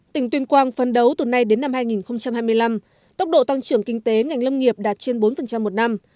tỉnh tuyên quang phân đấu từ nay đến năm hai nghìn hai mươi năm tốc độ tăng trưởng kinh tế ngành lâm nghiệp đạt trên bốn một năm